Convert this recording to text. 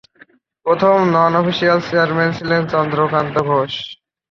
প্রথম non official chairman ছিলেন চন্দ্রকান্ত ঘোষ।